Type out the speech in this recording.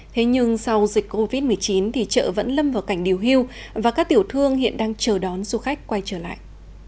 thế nhưng sau dịch covid một mươi chín thì chợ vẫn lâm vào cảnh điều hưu và các tiểu thương hiện đang chờ đón du khách quay trở lại